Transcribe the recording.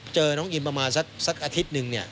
เจอน้องอินประมาณสักอาทิตย์หนึ่ง